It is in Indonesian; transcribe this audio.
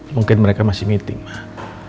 mungkin mereka masih meeting pak